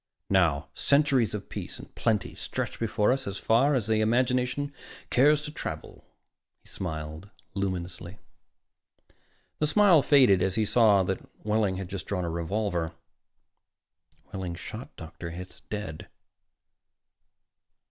Now centuries of peace and plenty stretch before us as far as the imagination cares to travel." He smiled luminously. The smile faded as he saw that Wehling had just drawn a revolver. Wehling shot Dr. Hitz dead.